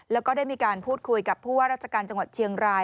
แล้วก็ได้มีการพูดคุยกับผู้ว่าราชการจังหวัดเชียงราย